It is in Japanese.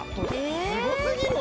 すごすぎるわ。